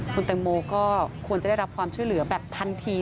คุณแตงโมก็ควรจะได้รับความช่วยเหลือแบบทันที